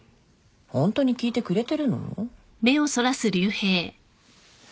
ホントに聞いてくれてるの？